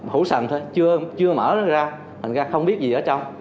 hũ sành thôi chưa mở ra hình ra không biết gì ở trong